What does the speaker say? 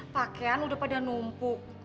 pakaian udah pada numpuk